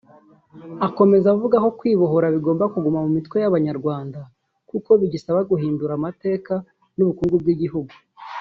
Akomeza avuga ko kwibohora bigomba kuguma mu mitwe y’Abanyarwanda kuko bigisaba guhindura amateka n’ubukungu by’igihugu